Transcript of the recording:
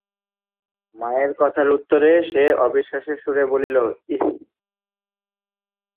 মায়ের কথার উত্তরে সে অবিশ্বাসের সুরে বলিল, ইঃ!